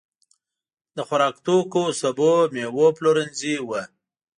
د خوراکتوکو، سبو، مېوو پلورنځي وو.